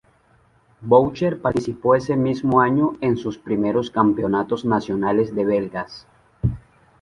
Boucher participó ese mismo año en sus primeros Campeonatos nacionales belgas.